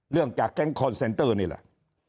เรื่องจากแก๊งคอนเซนเตอร์นี่แหละ